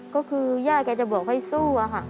ก็คือย่าแกจะบอกให้สู้อะค่ะ